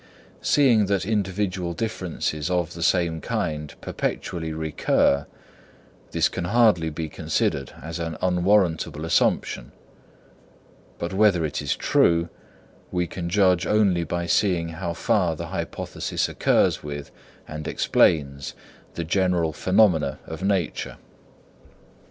Seeing that individual differences of the same kind perpetually recur, this can hardly be considered as an unwarrantable assumption. But whether it is true, we can judge only by seeing how far the hypothesis accords with and explains the general phenomena of nature.